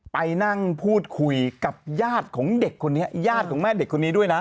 ไปนั่งพูดคุยกับญาติของเด็กคนนี้ญาติของแม่เด็กคนนี้ด้วยนะ